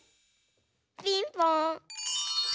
ピンポン！